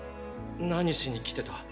何しに来てた？